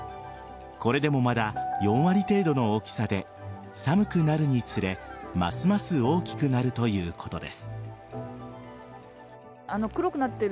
これでもまだ４割程度の大きさで寒くなるにつれ、ますます大きくなるということです。